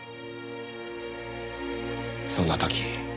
そんな時。